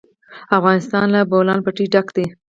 افغانستان له د بولان پټي ډک دی.